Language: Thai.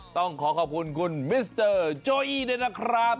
ต้องขอขอบคุณคุณมิสเตอร์โจอี้ด้วยนะครับ